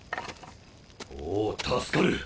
おお助かる。